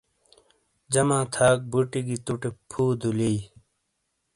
جمع تھاک بُوتی گی تُو ٹے فُو دُلئیی۔